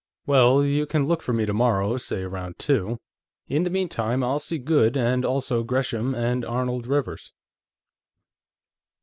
Well, you can look for me tomorrow, say around two. In the meantime, I'll see Goode, and also Gresham and Arnold Rivers."